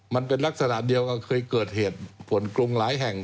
มันเป็นลักษณะเดียวกับเคยเกิดเหตุผลกรุงหลายแห่ง